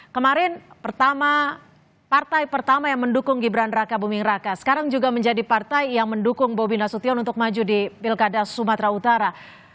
kemarin pertama partai pertama yang mendukung gibran raka buming raka sekarang juga menjadi partai yang mendukung bobi nasution untuk maju di pilkada sumatera utara